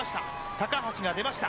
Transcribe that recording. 高橋が出ました。